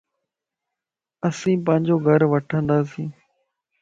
اسين پانجو گھر وٺندياسين